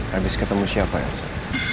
habis ketemu siapa elsa